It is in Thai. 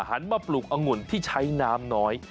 หันมาปลูกอังุ่นที่ใช้น้ำน้อย